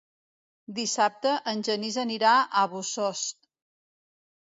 Dissabte en Genís anirà a Bossòst.